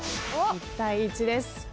１対１です。